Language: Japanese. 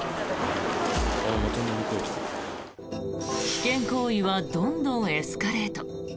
危険行為はどんどんエスカレート。